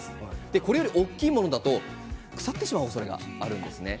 これより大きいものだと腐ってしまう可能性があるんです。